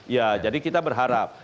ya jadi kita berharap